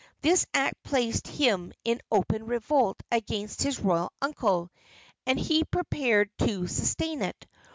This act placed him in open revolt against his royal uncle, and he prepared to sustain it.